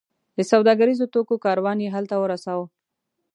د سوداګریزو توکو کاروان یې هلته ورساوو.